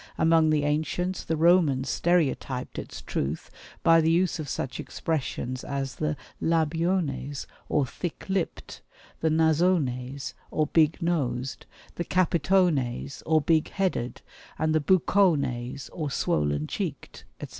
Among the ancients the Romans stereotyped its truth by the use of such expressions as 'the labiones' or thick lipped; 'the nasones,' or big nosed; 'the capitones,' or big headed, and 'the buccones,' or swollen cheeked, etc.